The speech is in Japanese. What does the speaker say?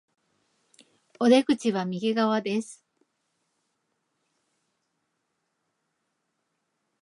お出口は右側です